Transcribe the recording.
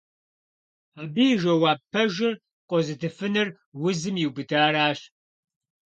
Абы и жэуап пэжыр къозытыфынур узым иубыдаращ.